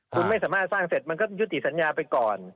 คุณไม่สามารถสร้างเสร็จมันก็ยุติสัญญาไปก่อน